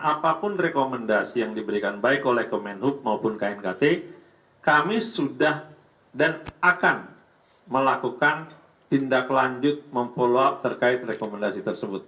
apapun rekomendasi yang diberikan baik oleh kemenhub maupun knkt kami sudah dan akan melakukan tindak lanjut memfollow up terkait rekomendasi tersebut